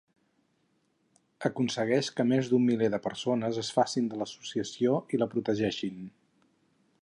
Aconsegueix que més d'un miler de persones es facin de l'associació i la protegeixin.